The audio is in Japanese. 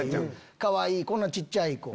かわいいこんな小っちゃい子。